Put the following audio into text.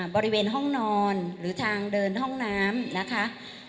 บริเวณห้องนอนหรือทางเดินห้องน้ำนะคะ